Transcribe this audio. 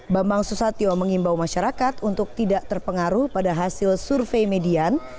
bambang susatyo mengimbau masyarakat untuk tidak terpengaruh pada hasil survei median